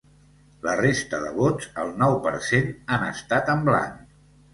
La resta de vots, el nou per cent, han estat en blanc.